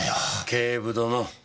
警部殿。